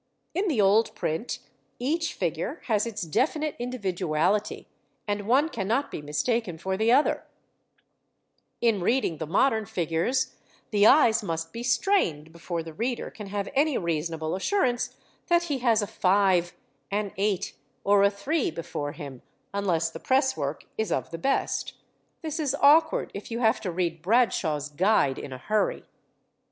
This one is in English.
In the old print each figure has its definite individuality, and one cannot be mistaken for the other; in reading the modern figures the eyes must be strained before the reader can have any reasonable assurance that he has a 5, an 8, or a 3 before him, unless the press work is of the best: this is awkward if you have to read Bradshaw's Guide in a hurry.